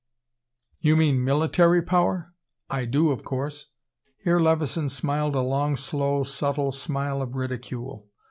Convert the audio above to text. "You mean military power?" "I do, of course." Here Levison smiled a long, slow, subtle smile of ridicule.